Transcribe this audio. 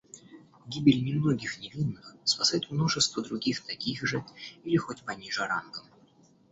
Гибель немногих невинных спасает множество других таких же или хоть пониже рангом.